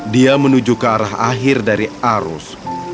dia menuju ke arah akhir dari arus